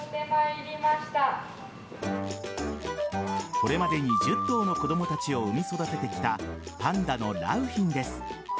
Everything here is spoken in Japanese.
これまでに１０頭の子供たちを産み育ててきたパンダの良浜です。